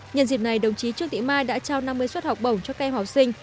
nhân dịp này đồng chí trương thị mai đã trao năm mươi suất học bổng cho cây hóa sinh